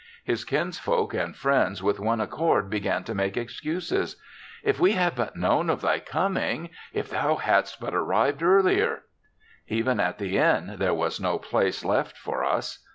His kinsfolk and friends with one accord began to make excuses :' If we had but known of thy coming: if thou hadst but arrived earlier/ Even at the inn there was no place left for us.